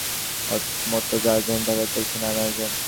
দিনটিকে ঘিরে বিশ্বের বিভিন্ন দেশের মতো রাজধানী ঢাকায় চলছে নানা আয়োজন।